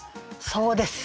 そうです。